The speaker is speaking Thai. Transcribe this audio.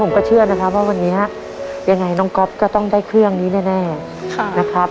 ผมก็เชื่อนะครับว่าวันนี้ยังไงน้องก๊อฟก็ต้องได้เครื่องนี้แน่นะครับ